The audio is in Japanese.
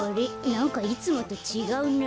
なんかいつもとちがうな。